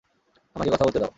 আমাকে কথা বলতে দাও?